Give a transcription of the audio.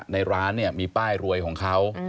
ในร้านเนี่ยมีป้ายรวยของเขา